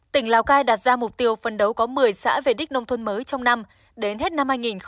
tỉnh lào cai đặt ra mục tiêu phân đấu có một mươi xã về đích nông thôn mới trong năm đến hết năm hai nghìn hai mươi